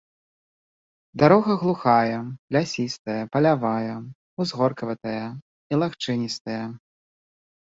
Дарога глухая, лясістая, палявая, узгоркаватая і лагчыністая.